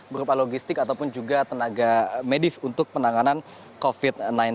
berupa logistik ataupun juga tenaga medis untuk penanganan covid sembilan belas